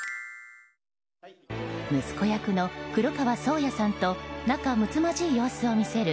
息子役の黒川想矢さんと仲むつまじい様子を見せる